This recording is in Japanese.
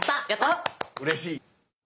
うれしい。